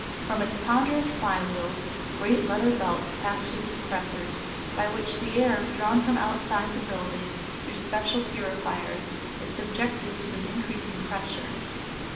From its ponderous flywheels great leather belts pass to the compressors, three in number, by which the air, drawn from outside the building through special purifiers, is subjected to an increasing pressure.